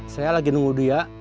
saya lagi nunggu dia